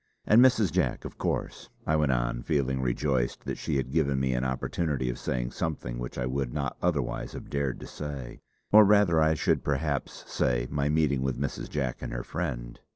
"And Mrs. Jack, of course," I went on, feeling rejoiced that she had given me an opportunity of saying something which I would not otherwise have dared to say. "Or rather I should perhaps say, my meeting with Mrs. Jack and her friend.